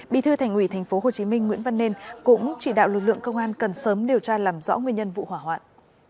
bí thư thành ủy tp hcm nguyễn văn nên cũng chỉ đạo lực lượng công an cần sớm điều tra làm rõ nguyên nhân vụ hỏa hoạn